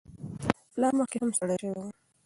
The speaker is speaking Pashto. پلار مخکې هم ستړی شوی و.